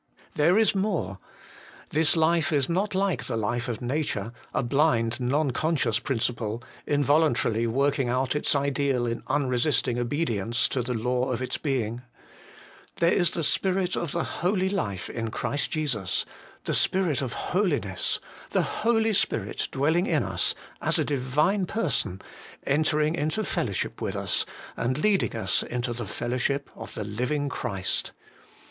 There is more. This life is not like the life of nature, a blind, non conscious principle, involuntarily working out its ideal in unresisting obedience to the law of its being. There is the Spirit of the life in Christ Jesus the Spirit of holiness the Holy Spirit dwelling in us as a Divine Person, entering into fellowship with us, and leading us into the fellowship of the Living Christ.